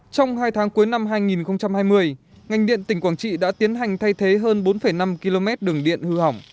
trong hai tháng cuối năm hai nghìn hai mươi ngành điện tỉnh quảng trị đã tiến hành thay thế hơn bốn năm km đường điện hư hỏng